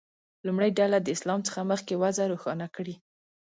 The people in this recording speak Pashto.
لومړۍ ډله دې د اسلام څخه مخکې وضع روښانه کړي.